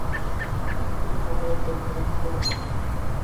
Ishsizlik haqida ko‘p gapirilayapti.